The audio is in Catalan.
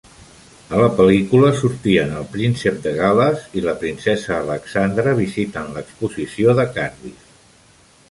A la pel·lícula sortien el Príncep de Gales i la Princesa Alexandra visitant l"Exposició de Cardiff.